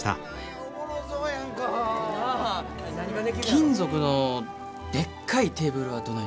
金属のでっかいテーブルはどないです？